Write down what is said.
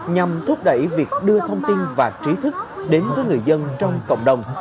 nhằm thúc đẩy việc đưa thông tin và trí thức đến với người dân trong cộng đồng